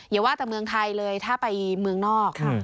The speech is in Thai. อย่าว่าแต่เมืองไทยเลยถ้าไปเมืองนอก